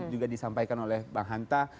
juga disampaikan oleh bang hanta